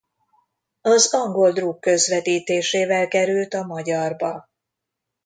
Az angol drug közvetítésével került a magyarba.